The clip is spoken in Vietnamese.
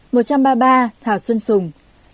một trăm ba mươi ba thảo xuân sùng